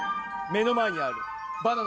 目の前にあるハッ！